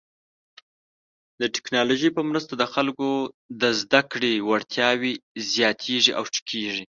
د ټکنالوژۍ په مرسته د خلکو د زده کړې وړتیاوې زیاتېږي او ښه کیږي.